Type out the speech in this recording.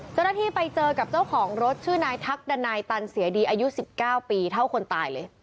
เจ้าหน้าที่ไปเจอกับเจ้าของรถชื่อนายทักดันัยตันเสียดีอายุ๑๙ปีเท่าคนตายเลย